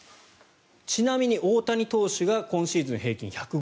ちなみに大谷投手が今シーズン平均１５７ｋｍ。